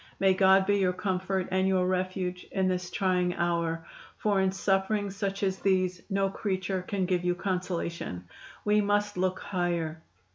May God be your comfort and your refuge in this trying hour, for in sufferings such as these no creature can give you consolation. We must look higher.